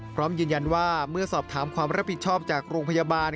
พร้อมยืนยันว่าเมื่อสอบถามความรับผิดชอบจากโรงพยาบาล